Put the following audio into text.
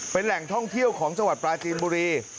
เป็นแหล่งท่องเที่ยวของจังหวัดปลาจีนบุรี